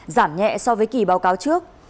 giảm nhẹ so với kỳ báo cáo trước